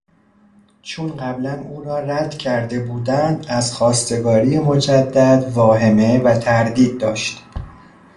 چون قبلا او را ردکرده بودند از خواستگاری مجدد واهمه و تردید داشت.